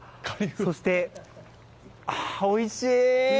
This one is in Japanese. そしておいしい！